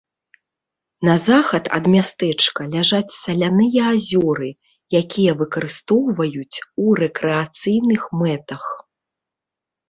На захад ад мястэчка ляжаць саляныя азёры, якія выкарыстоўваюць у рэкрэацыйных мэтах.